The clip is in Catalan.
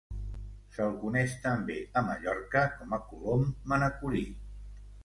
Se'l coneix també a Mallorca com a colom manacorí.